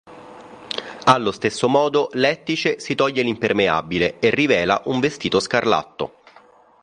Allo stesso modo, Lettice si toglie l'impermeabile e rivela un vestito scarlatto.